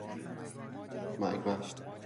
مرگ بر...!